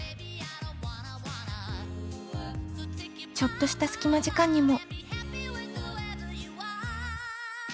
ちょっとした隙間時間にも。